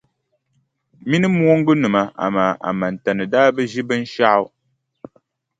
Mini mooŋgunima amaa Amantani daa bi ʒi binshɛɣu.